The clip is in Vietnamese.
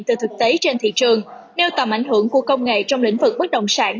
từ thực tế trên thị trường nêu tầm ảnh hưởng của công nghệ trong lĩnh vực bất động sản